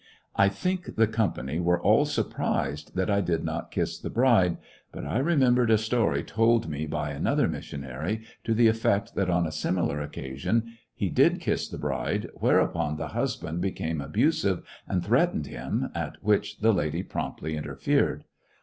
I think the company were all surprised 130 lyiissionary in tfie Great West that I did not kiss the bride. But I remem Her religious bered a story told me by another missionary, to the effect that on a similar occasion he did kiss the bride, whereupon the husband be came abusive and threatened him, at which the lady promptly interfered.